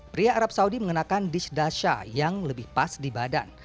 pria arab saudi mengenakan dishdasha yang lebih pas di badan